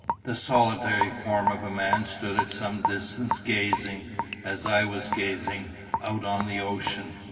The solitary form of a man stood at some distance gazing, as I was gazing, out on the ocean.